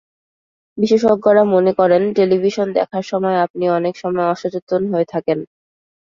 বিশেষজ্ঞরা মনে করেন, টেলিভিশন দেখার সময় আপনি অনেক সময় অসচেতন হয়ে থাকেন।